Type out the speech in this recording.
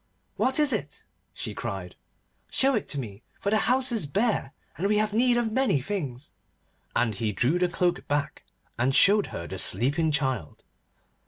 'What is it?' she cried. 'Show it to me, for the house is bare, and we have need of many things.' And he drew the cloak back, and showed her the sleeping child.